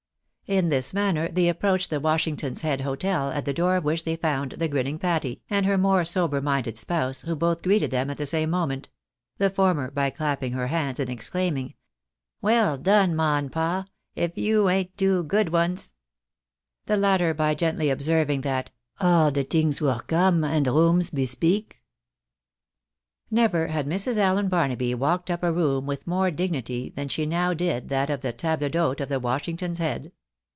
In this manner they approached the Washington's Head hotel, at the door of which they found the grinning Patty, and her more sober minded spouse, who botli greeted them at the same moment ; the former by clapping her hands, and exclaiming, " WeU done, ma and pa ! If you ain't two good ones !" The latter, by gently observing that, " All de tings were com, and rooms bespeak." Never had Mrs. Allen Barnaby walked up a room with more dignity than she now did that of the table dliote of the Washing ton's Head.